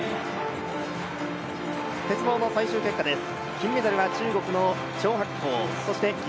鉄棒の最終結果です。